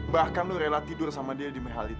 bahkan lo rela tidur sama dia di mahal itu